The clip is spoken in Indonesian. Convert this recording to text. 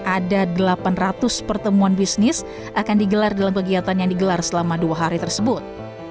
ada delapan ratus pertemuan bisnis akan digelar dalam kegiatan yang digelar selama dua hari tersebut